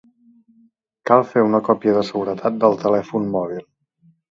Cal fer una còpia de seguretat del telèfon mòbil